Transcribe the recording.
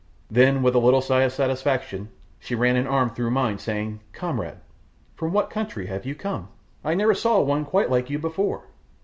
Then, with a little sigh of satisfaction, she ran an arm through mine, saying, "Comrade, from what country have you come? I never saw one quite like you before."